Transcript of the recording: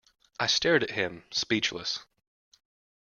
I stared at him, speechless.